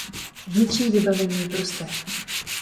Vnitřní vybavení je prosté.